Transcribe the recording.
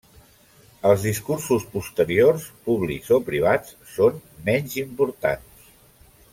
Els discursos posteriors, públics o privats, són menys importants.